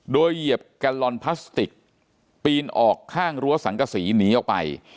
โดยเหยียบแกลลอนพลาสติกปีนออกข้างรั้วสังกษีหนีออกไป